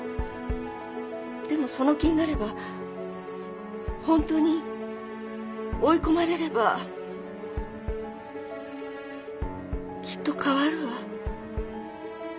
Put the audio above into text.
でもその気になればホントに追い込まれればきっと変わるわ